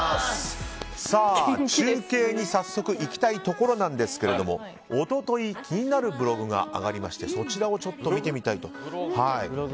中継に早速行きたいところなんですけれども一昨日、気になるブログが上がりましてそちらを見てみたいと。